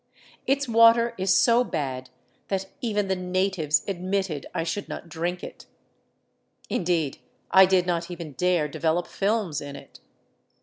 Its water is so bad that even the natives admitted I should not drink it. Indeed, I did not even dare develop films in it.